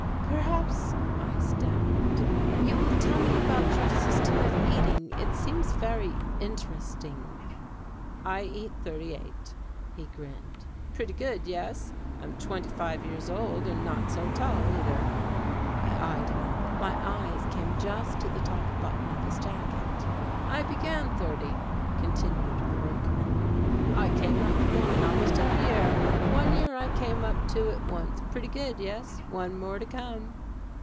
"Perhaps, I stammered," you will tell me about your system of eating; it seems very interesting." "I eat thirty eight," he grinned, "pretty good, yes? I am twenty five years old and not so tall either." I eyed him up my eyes came just to the top button of his jacket. "I began thirty," continued the workman, "I came up one almost every year, one year I came up two at once. Pretty good, yes? One more to come."